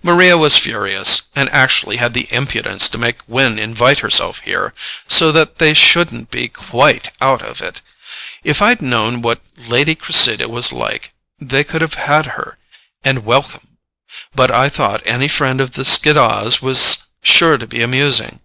Maria was furious, and actually had the impudence to make Gwen invite herself here, so that they shouldn't be QUITE out of it—if I'd known what Lady Cressida was like, they could have had her and welcome! But I thought any friend of the Skiddaws' was sure to be amusing.